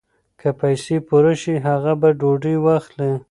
که پیسې پوره شي هغه به ډوډۍ واخلي.